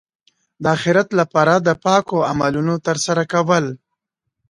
د اخرت لپاره د پاکو عملونو ترسره کول.